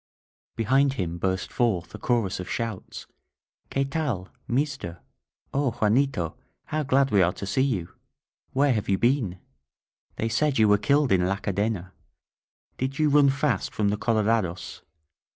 Behind him burst forth a chorus of shouts : QtLe tal! Meester ! O Juanito, how glad we are to see you ! Where have you been ? They said you were killed in La Cadena ! Did you run fast from the colorados?